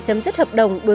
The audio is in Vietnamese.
che mắt là chứ không cười